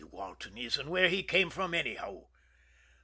Walton is, and where he came from anyhow?"